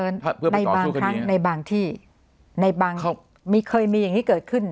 ในบางที่ในบางครับมีเคยมีอย่างงี้เกิดขึ้น